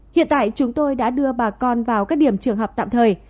hiện tại chúng tôi đã đưa bà con vào các điểm trường học tạm thời